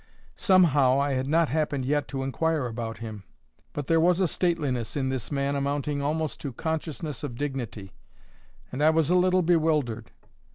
Somehow I had not happened yet to inquire about him. But there was a stateliness in this man amounting almost to consciousness of dignity; and I was a little bewildered.